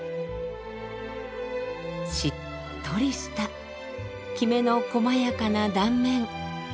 しっとりしたきめのこまやかな断面。